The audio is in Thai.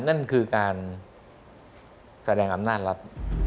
นั่นคือการแสดงอำนาจรัฐ